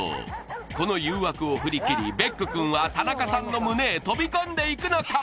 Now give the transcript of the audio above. この誘惑を振り切りベック君は田中さんの胸へ飛び込んでいくのか？